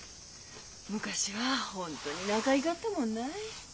昔は本当に仲いがったもんない。